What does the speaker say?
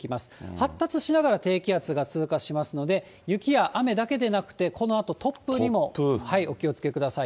発達しながら低気圧が通過しますので、雪や雨だけでなくて、このあと突風にもお気をつけください。